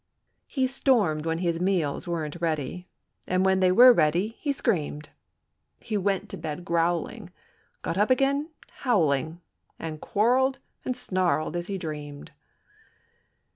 He stormed when his meals weren't ready, And when they were ready, he screamed. He went to bed growling, got up again howling And quarreled and snarled as he dreamed.